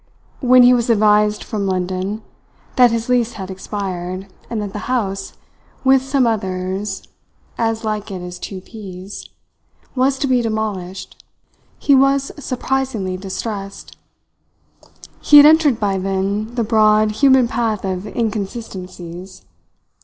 When he was advised from London that his lease had expired, and that the house, with some others as like it as two peas, was to be demolished, he was surprisingly distressed. He had entered by then the broad, human path of inconsistencies.